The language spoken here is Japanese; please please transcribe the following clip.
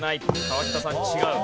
川北さん違う。